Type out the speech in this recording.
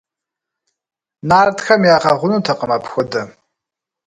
Нартхэм ягъэгъунутэкъым апхуэдэ.